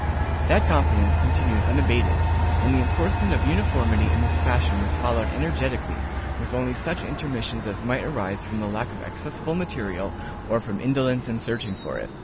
That confidence continued unabated, and the enforcement of uniformity in this fashion was followed energetically, with only such intermissions as might arise from the lack of accessible material, or from indolence in searching for it.